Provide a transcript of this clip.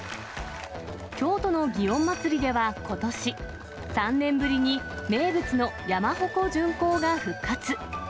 京都の祇園祭ではことし、３年ぶりに名物の山鉾巡行が復活。